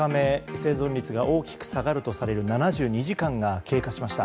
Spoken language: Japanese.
生存率が大きく下がるとされる７２時間が経過しました。